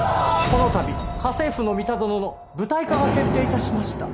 この度『家政夫のミタゾノ』の舞台化が決定致しました。